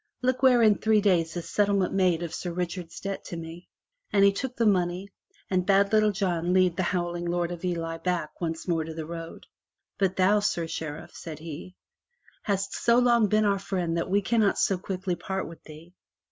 Look where in three days is settlement made of Sir Richard's debt to me!" And he took the money and bade Little John lead the howling Lord of Ely back once more to the road. "But thou, Sir Sheriff," says he, "hast so long been our friend that we cannot so quickly part with thee.